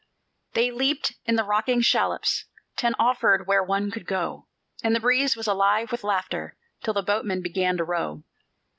They leaped in the rocking shallops. Ten offered where one could go; And the breeze was alive with laughter Till the boatmen began to row.